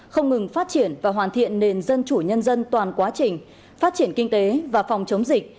không ngừng phát triển và hoàn thiện nền dân chủ nhân dân toàn quá trình phát triển kinh tế và phòng chống dịch